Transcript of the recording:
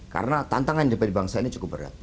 karena tantangan di bagian bangsa ini cukup berat